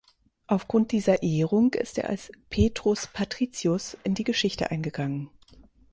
Aufgrund dieser Ehrung ist er als "Petrus Patricius" in die Geschichte eingegangen.